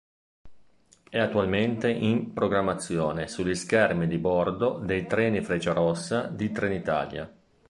È attualmente in programmazione sugli schermi di bordo dei treni Frecciarossa di Trenitalia.